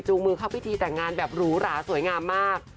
มือเข้าพิธีแต่งงานแบบหรูหราสวยงามมาก